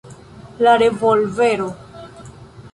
La revolvero.